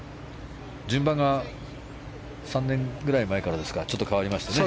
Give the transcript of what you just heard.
順番が３年ぐらい前からちょっと変わりましたね。